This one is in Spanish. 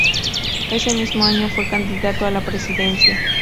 Ese mismo año fue candidato a la presidencia.